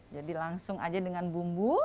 jadi langsung aja dengan bumbu